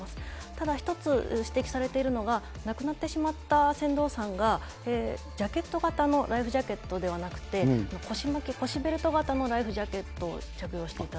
ただ、一つ指摘されているのが、亡くなってしまった船頭さんが、ジャケット型のライフジャケットではなくて、腰巻き、腰ベルト型のライフジャケットを着用していたと。